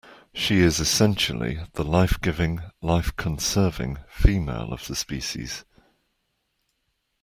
She is essentially the life-giving, life-conserving female of the species.